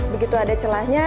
begitu ada celahnya